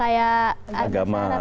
arabnya arabnya ke agama